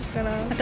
私。